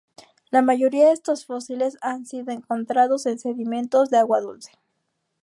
La mayoría de estos fósiles han sido encontrados en sedimentos de agua dulce.